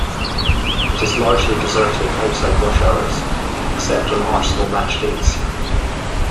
It is largely deserted outside rush hours except on Arsenal match days.